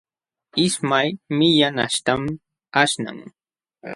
Ismay millanaśhtam aśhnan.